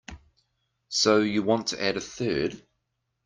So you want to add a third?